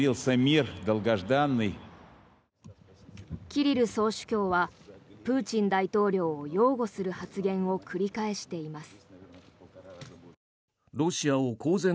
キリル総主教はプーチン大統領を擁護する発言を繰り返しています。